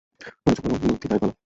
প্রয়োজন হলে নির্ধিদায় বলো।